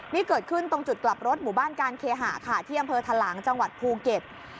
นี่เกิดขึ้นตรงจุดกลับรถหมู่บ้านการเคหะค่ะที่อำเภอทะหลังจังหวัดภูเก็ต